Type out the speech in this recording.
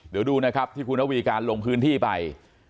เดี๋ยวดูนะครับที่คุณระวีการลงพื้นที่ไป